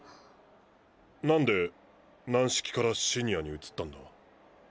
なんで軟式からシニアに移ったんだ？